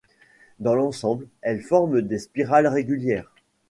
Dans l'ensemble, elles forment des spirales régulières.